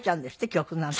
曲なんて。